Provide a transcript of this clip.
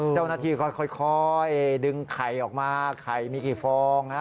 เจ้าหน้าที่ค่อยดึงไข่ออกมาไข่มีกี่ฟองฮะ